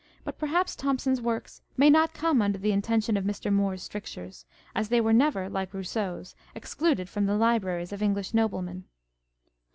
But perhaps Thomson's works may not come under the intention of Mr. Moore's strictures, as they were never (like Rousseau's) excluded from the libraries of English Noblemen